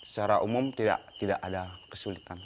secara umum tidak ada kesulitan